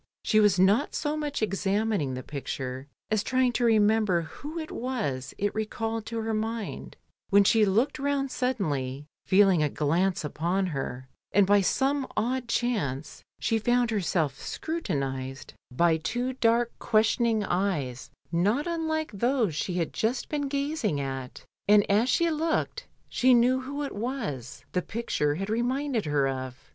She was not so much examin ing the picture as trying to remember who it was it recalled to her mind, when she looked round suddenly, feeling a glance upon her, and by some odd chance she found herself scrutinised by two LONDON cmr. 155 dark, questioning eyes not unlike those she had just been gazing at, and as she looked* she knew who it was the picture had reminded her of.